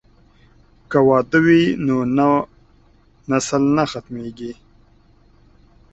که واده وي نو نسل نه ختمیږي.